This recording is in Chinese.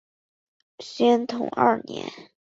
宣统二年。